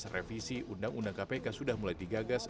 revisi undang undang kpk sudah mulai digagas